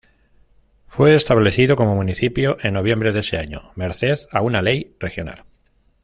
Fue establecido como municipio en noviembre de ese año merced a una ley regional.